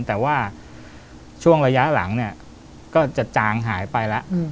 แต่ว่าช่วงระยะหลังเนี่ยก็จะจางหายไปแล้ว